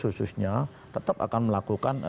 khususnya tetap akan melakukan